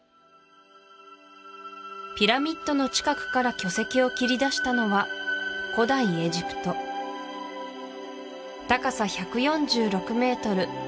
ピラミッドの近くから巨石を切り出したのは古代エジプト高さ１４６ｍ